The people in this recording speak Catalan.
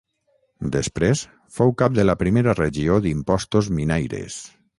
Després fou cap de la Primera Regió d'Impostos Minaires.